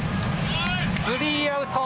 スリーアウト。